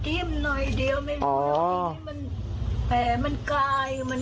แผีมันกาย